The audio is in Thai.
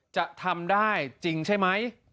จะทำได้จริงใช่ไหม